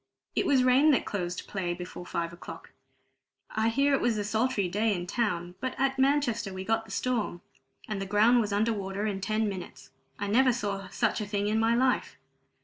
"It was rain that closed play before five o'clock. I hear it was a sultry day in town, but at Manchester we got the storm, and the ground was under water in ten minutes. I never saw such a thing in my life.